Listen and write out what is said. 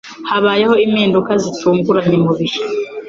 Habayeho impinduka zitunguranye mubihe.